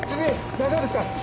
大丈夫ですか？